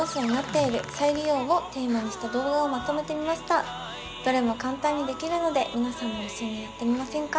今回はどれも簡単にできるので皆さんも一緒にやってみませんか？